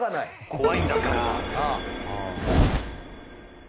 怖いんだから。